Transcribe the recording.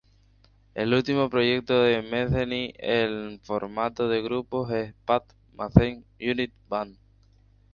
El último proyecto de Metheny en formato de grupo es "Pat Metheny Unity Band".